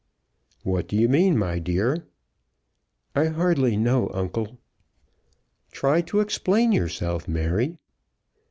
"What do you mean, my dear?" "I hardly know, uncle." "Try to explain yourself, Mary."